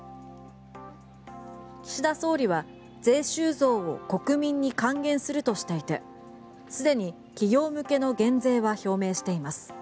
岸田総理は税収増を国民に還元するとしていて既に企業向けの減税は表明しています。